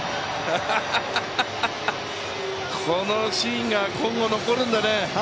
このシーンが今後、残るんだね。